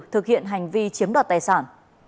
thực hiện hành vi chiếm đoạt tài sản